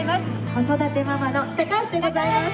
子育てママの高橋でございます。